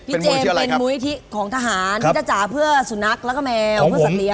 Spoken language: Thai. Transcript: พี่เจมส์เป็นมูลวิธีทหารมีตราจาเพื่อสุนัขและแมวเพื่อสัตว์เลี้ยง